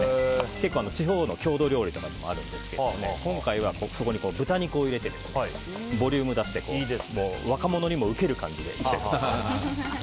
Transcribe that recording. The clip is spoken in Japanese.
結構地方の郷土料理とかでもあるんですけど今回はそこに豚肉を入れてボリュームを出して若者にもうける感じでいきたいと思います。